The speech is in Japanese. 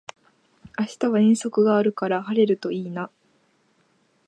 明日は遠足があるから晴れるといいな